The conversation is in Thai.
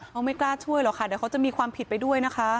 เขาไม่กล้าช่วยหรอกค่ะเดี๋ยวเขาจะมีความผิดไปด้วยนะคะ